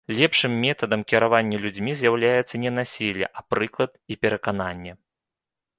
Лепшым метадам кіравання людзьмі з'яўляецца не насілле, а прыклад і перакананне.